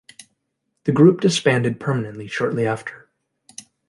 The group disbanded permanently shortly after.